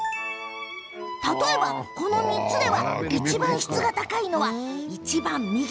例えば、この３つではいちばん質が高いのはいちばん右。